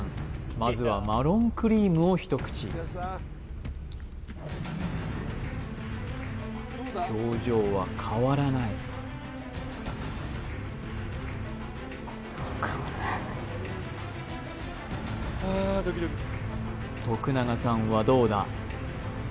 まずはマロンクリームを一口表情は変わらない永さんはどうだ？